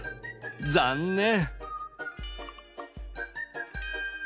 残念！